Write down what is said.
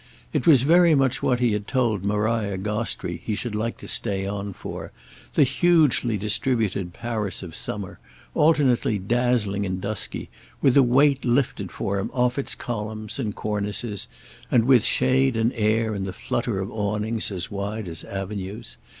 It was very much what he had told Maria Gostrey he should like to stay on for, the hugely distributed Paris of summer, alternately dazzling and dusky, with a weight lifted for him off its columns and cornices and with shade and air in the flutter of awnings as wide as avenues.